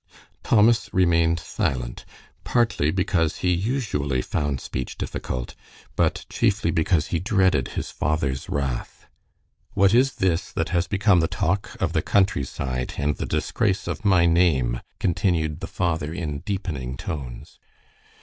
Thomas remained silent, partly because he usually found speech difficult, but chiefly because he dreaded his father's wrath. "What is this that has become the talk of the countryside and the disgrace of my name?" continued the father, in deepening tones.